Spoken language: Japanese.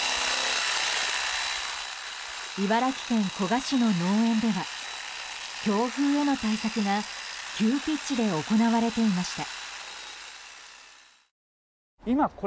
茨城県古河市の農園では強風への対策が急ピッチで行われていました。